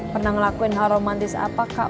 pernah ngelakuin hal romantis apakah